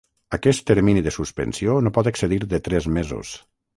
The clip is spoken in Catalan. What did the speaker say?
Aquest termini de suspensió no pot excedir de tres mesos.